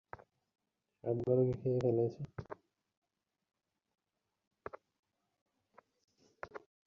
তিনি কহিলেন, আচ্ছা বেশ, তা নাই হল।